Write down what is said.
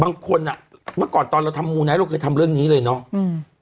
บางคนอ่ะเมื่อก่อนตอนเราทำมูไนท์เราเคยทำเรื่องนี้เลยเนอะอืม